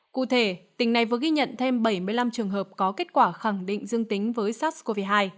cụ thể tỉnh này vừa ghi nhận thêm bảy mươi năm trường hợp có kết quả khẳng định dương tính với sars cov hai